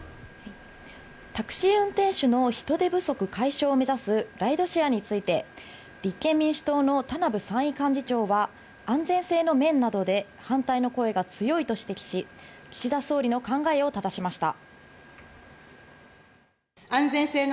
タクシー運転手の人手不足解消を目指すライドシェアについて、立憲民主党の田名部参院幹事長は安全性の面などで反対の声が強いと指摘し、岸田総理の考えを質しました。